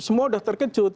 semua sudah terkejut